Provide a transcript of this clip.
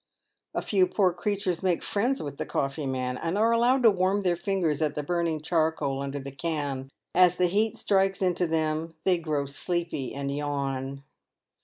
A few poor creatures make friends with the coffee man, and are allowed to warm their fingers at the burning charcoal under the can; as the heat strikes into them they grow sleepy, and yawn.